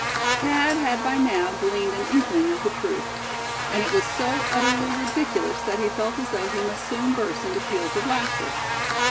Thad had by now gleaned an inkling of the truth. And it was so utterly ridiculous that he felt as though he must soon burst into peals of laughter.